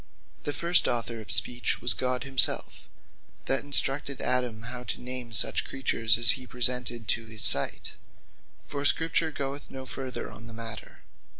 The first author of Speech was GOD himselfe, that instructed Adam how to name such creatures as he presented to his sight; For the Scripture goeth no further in this matter.